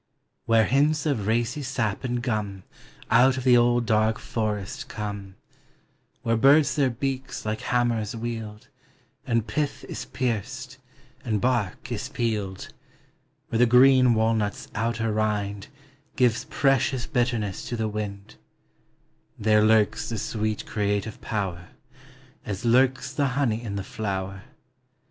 Where hints of racy sap and gum Out of the old dark forest come; Where birds their beaks like hammers wield, And pith is pierced, and bark is peeled; Where the green walnut's outer rind Gives precious bitterness to the wind ;— There lurks the sweet creative power, As lurks the honey in the flower.